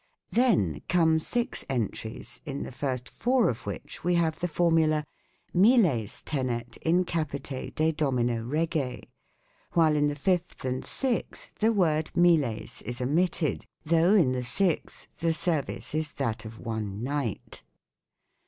Then come six entries, in the first four of which we have the formula " miles tenet in capite de domino rege," while in the fifth and sixth the word "miles" is omitted, though in the sixth the service is that of one knight.